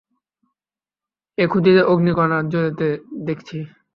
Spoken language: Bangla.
ওই খুঁতিতে অগ্নিকণা জ্বলেতে দেখছি।